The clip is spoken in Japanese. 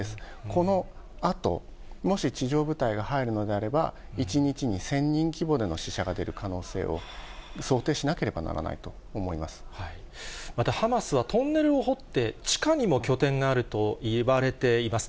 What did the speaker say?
このあと、もし地上部隊が入るのであれば、１日に１０００人規模での死者が出る可能性を想定しなければならまた、ハマスはトンネルを掘って、地下にも拠点があるといわれています。